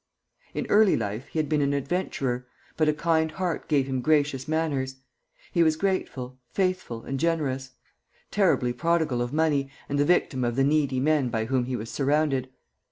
In early life he had been an adventurer; but a kind heart gave him gracious manners. He was grateful, faithful, and generous; terribly prodigal of money, and the victim of the needy men by whom he was surrounded.